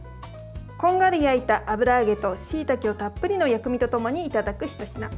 こんがり焼いた油揚げとしいたけをたっぷりの薬味とともにいただくひと品。